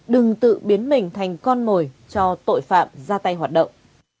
đừng tự biến mình thành con mồi cho tội phạm ra tay hoạt động